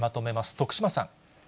徳島さん。